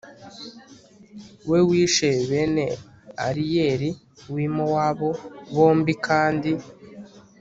we wishe bene Ariyeli w i Mowabu bombi kandi